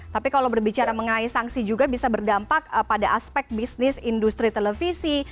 tapi kalau berbicara mengenai sanksi juga bisa berdampak pada aspek bisnis industri televisi